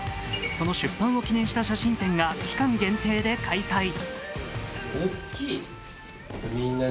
その出版を記念した写真展が期間限定で開催。